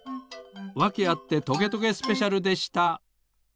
「わけあってトゲトゲスペシャル」でした。